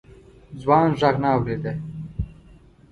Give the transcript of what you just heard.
ځوان غږ نه اورېده.